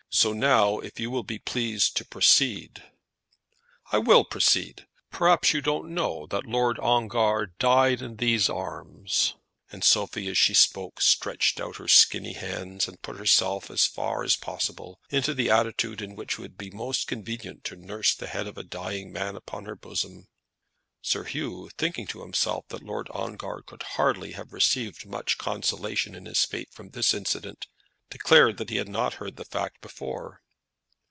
So now, if you will be pleased to proceed " "I will proceed. Perhaps you don't know that Lord Ongar died in these arms?" And Sophie, as she spoke, stretched out her skinny hands, and put herself as far as possible into the attitude in which it would be most convenient to nurse the head of a dying man upon her bosom. Sir Hugh, thinking to himself that Lord Ongar could hardly have received much consolation in his fate from this incident, declared that he had not heard the fact before.